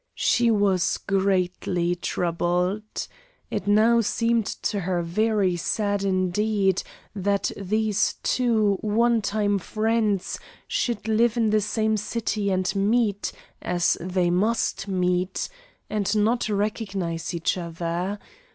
She was greatly troubled. It now seemed to her very sad indeed that these two one time friends should live in the same city and meet, as they must meet, and not recognize each other.